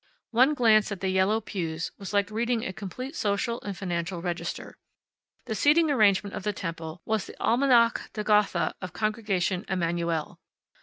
One glance at the yellow pews was like reading a complete social and financial register. The seating arrangement of the temple was the Almanach de Gotha of Congregation Emanu el.